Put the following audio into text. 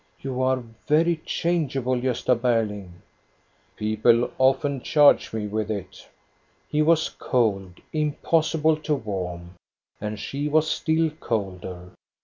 " You are very changeable, Gosta Berling." People often charge me with it." He was cold, impossible to warm, and she was still colder.